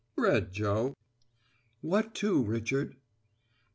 Bread, Joe." "What two, Richard?"